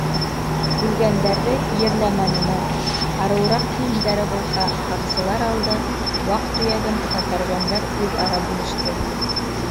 Үлгәндәрҙе ерләмәнеләр, арыуыраҡ кейемдәре булһа, һаҡсылар алды, ваҡ-төйәген каторжандар үҙ-ара бүлеште.